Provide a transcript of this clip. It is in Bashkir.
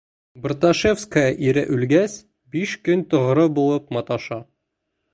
Барташевская, ире үлгәс, биш көн тоғро булып маташа.